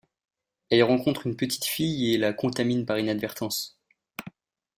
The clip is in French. Elle y rencontre une petite fille et la contamine par inadvertance.